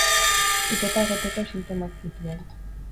Itota egoteko sintomak zituen.